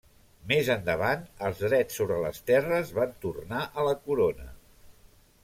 Més endavant, els drets sobre les terres van tornar a la corona.